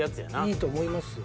いいと思いますよ。